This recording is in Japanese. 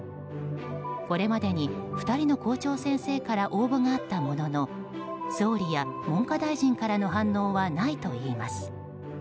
これまでに、２人の校長先生から応募があったものの総理や文科大臣からの反応はないといいます。